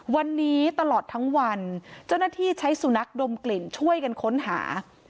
วันนี้ตลอดทั้งวันเจ้าหน้าที่ใช้สุนัขดมกลิ่นช่วยกันค้นหา